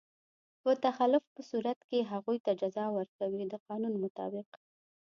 په تخلف په صورت کې هغوی ته جزا ورکوي د قانون مطابق.